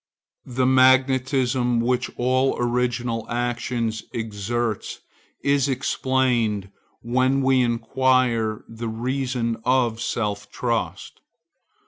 The magnetism which all original action exerts is explained when we inquire the reason of self trust.